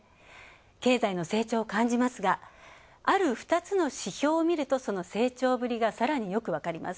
経済の成長を感じますが、ある２つの指標を見ると、その成長ぶりがさらによく分かります。